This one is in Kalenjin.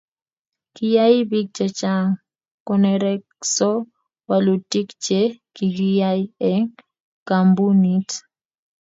Kiyai bik chechang konerekso wolutik che kikiyai eng kambunit.